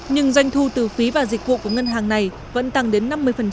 nhưng doanh thu từ phí và dịch vụ của ngân hàng này vẫn tăng đến năm mươi